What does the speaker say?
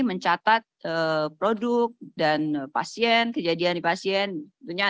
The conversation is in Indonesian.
mencatat produk dan pasien dan juga untuk penelusuran